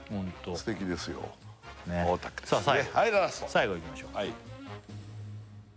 最後いきましょうはい